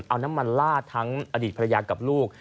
เอาน้ำมันลาดทั้งอดีตภรรยากับลูก